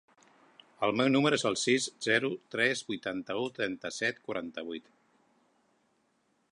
El meu número es el sis, zero, tres, vuitanta-u, trenta-set, quaranta-vuit.